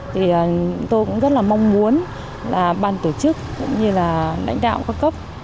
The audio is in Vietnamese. thì tôi cũng rất là mong muốn là ban tổ chức cũng như là lãnh đạo các cấp